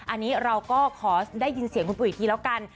อันนี้เราก็ขอได้ยินเสียงคุณปุ๋ยอีกทีแล้วกัน